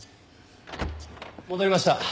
戻りました。